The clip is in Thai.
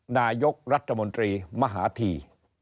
นายกรัฐมนตรีมหาธี